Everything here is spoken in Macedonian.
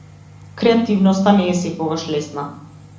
Креативноста не е секогаш лесна.